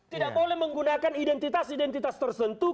tidak boleh menggunakan identitas identitas tertentu